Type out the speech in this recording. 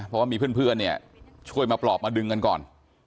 เพราะว่ามีเพื่อนเนี่ยช่วยมาปลอบมาดึงกันก่อน